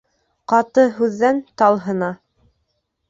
Ҡаты һүҙҙән тал һына